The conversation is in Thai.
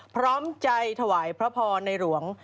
พร้อมใจถวายพระพรในหลวง